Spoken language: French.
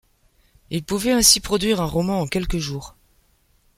Il pouvait ainsi produire un roman en quelques jours.